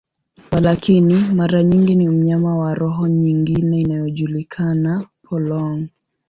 Walakini, mara nyingi ni mnyama wa roho nyingine inayojulikana, polong.